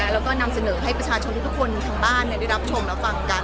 แล้วก็นำเสนอให้ประชาชนทุกคนทางบ้านได้รับชมรับฟังกัน